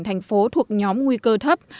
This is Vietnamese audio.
thành phố thuộc nhóm nguy cơ thấp